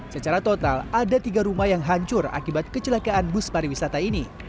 secara total ada tiga rumah yang hancur akibat kecelakaan bus pariwisata ini